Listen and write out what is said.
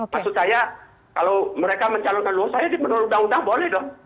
maksud saya kalau mereka mencalonkan loh saya di menurut undang undang boleh dong